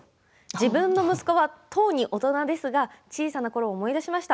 自分の息子はとうに大人ですが小さなころを思い出しました。